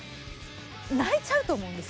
泣いちゃうと思うんです。